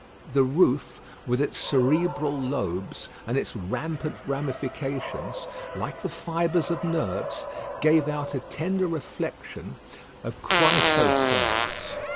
The roof, with its cerebral lobes, and its rampant ramifications, like the fibres of nerves, gave out a tender reflection of chrysoprase.